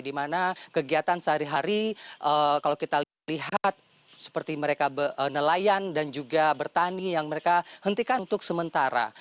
di mana kegiatan sehari hari kalau kita lihat seperti mereka nelayan dan juga bertani yang mereka hentikan untuk sementara